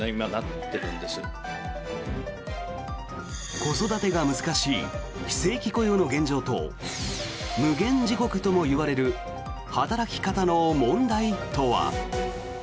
子育てが難しい非正規雇用の現状と無間地獄ともいわれる働き方の問題とは。